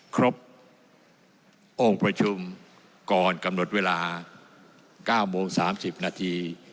ครบองค์ประชุมก่อนกำหนดเวลา๙โมง๓๐นาที